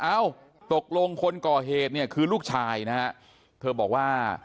เอ้าตกลงคนก่อเหตุเนี่ยคือลูกชายนะฮะเธอบอกว่า